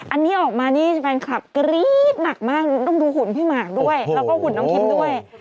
อันนี้ออกมานี่แฟนคลับกรี๊ดหนักมากต้องดูหุ่นพี่หมากด้วยแล้วก็หุ่นน้องคิมด้วย